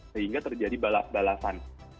sehingga terjadi balaf balasan